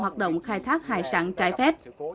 hoạt động khai thác hải sản trải phép